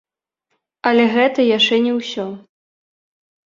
Але гэта яшчэ не ўсё!